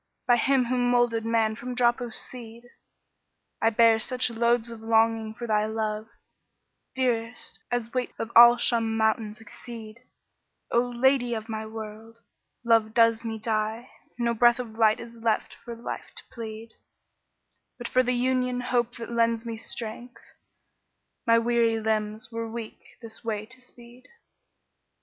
* By him who moulded man from drop o' seed, I bear such loads of longing for thy love, * Dearest, as weight of al Shumm Mounts exceed: O 'Lady of my World'[FN#12] Love does me die; * No breath of life is left for life to plead; But for the union hope that lends me strength, * My weary limbs were weak this way to speed."